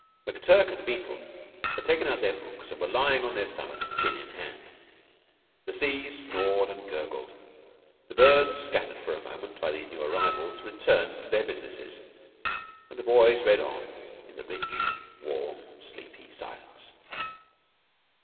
McTurk and Beetle had taken out their books and were lying on their stomachs, chin in hand. The sea snored and gurgled; the birds, scattered for the moment by these new animals, returned to their businesses, and the boys read on in the rich, warm, sleepy silence.